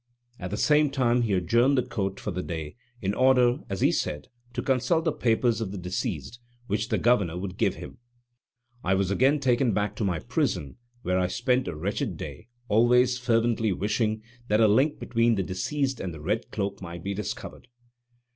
At the same time he adjourned the court for the day, in order, as he said, to consult the papers of the deceased, which the Governor would give him. I was again taken back to my prison, where I spent a wretched day, always fervently wishing that a link between the deceased and the "red cloak" might be discovered.